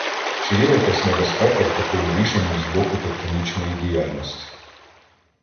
Чи є якась небезпека в такому рішенні з боку тектонічної діяльності?